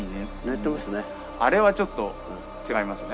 あれはちょっと違いますね。